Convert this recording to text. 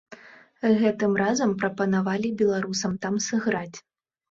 Гэтым разам прапанавалі беларусам там сыграць.